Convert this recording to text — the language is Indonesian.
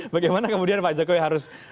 bagaimana kemudian pak jokowi harus